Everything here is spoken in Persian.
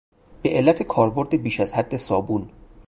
به علت کاربرد بیش از حد صابون